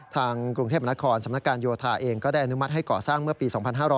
ทางกรุงเทพนครสำนักการโยธาเองก็ได้อนุมัติให้ก่อสร้างเมื่อปี๒๕๕๙